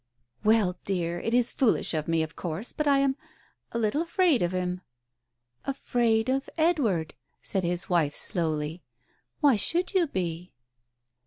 " Well, dear, it is foolish of me, of course, but I am — a little afraid of him." "Afraid of Edward!" said his wife slowly. "Why should you be